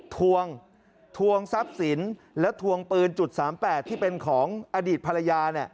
ทวงทวงซับศิลป์และทวงปืน๓๘ที่เป็นของอดีตภรรยา